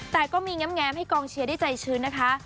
แต่ก็มีแง้มให้กองเชียร์ได้ใจชื้นนะคะ